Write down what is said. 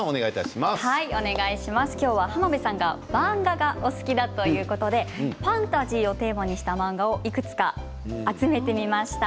浜辺さんが漫画がお好きだということでファンタジーをテーマにした漫画をいくつか集めてみました。